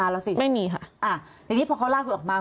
อ่ะในที่พอเขาร่าคุณออกมา